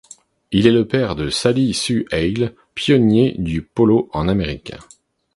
Il est le père de Sally Sue Hale, pionnier du polo en Amérique.